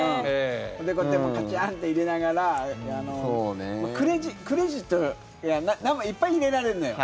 それで、こうやってカチャンって入れながらクレジットいっぱい入れられるのよ。